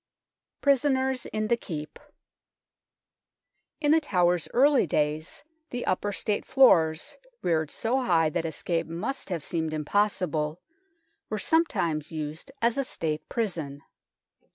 PRISONERS IN THE KEEP In The Tower's early days the upper State floors, reared so high that escape must have 40 THE TOWER OF LONDON seemed impossible, were sometimes used as a State prison.